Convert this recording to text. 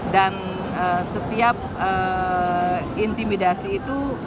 dan setiap intimidasi itu